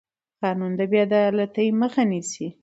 قانون د بې عدالتۍ مخه نیسي